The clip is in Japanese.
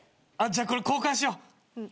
じゃあこれ交換しよう。